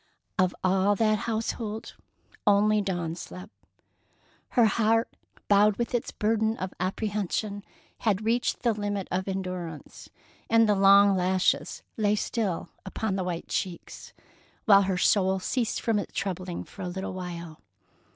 Of all that household, only Dawn slept. Her heart, bowed with its burden of apprehension, had reached the limit of endurance, and the long lashes lay still upon the white cheeks, while her soul ceased from its troubling for a little while.